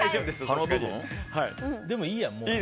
でも、もういいや。